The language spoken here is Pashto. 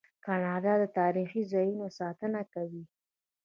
کاناډا د تاریخي ځایونو ساتنه کوي.